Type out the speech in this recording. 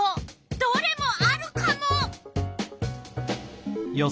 どれもあるカモ！